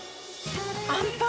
あんぱん。